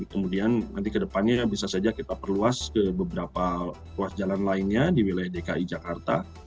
kemudian nanti kedepannya bisa saja kita perluas ke beberapa ruas jalan lainnya di wilayah dki jakarta